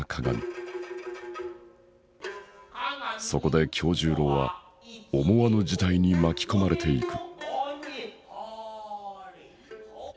そこで今日十郎は思わぬ事態に巻き込まれていく。